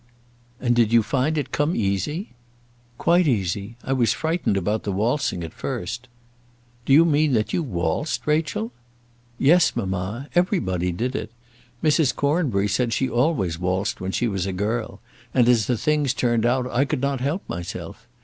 "And did you find it come easy?" "Quite easy. I was frightened about the waltzing, at first." "Do you mean that you waltzed, Rachel?" "Yes, mamma. Everybody did it. Mrs. Cornbury said she always waltzed when she was a girl; and as the things turned out I could not help myself.